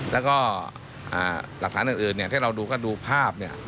แล้วก็หลักฐานอื่นที่เราดูก็ดูภาพ